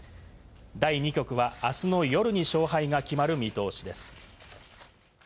第２局は明日の夜に勝敗が決まる見通しです。